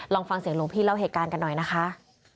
ลองฟังเสียงหลวงพี่เล่าเหตุการณ์กันหน่อยนะคะ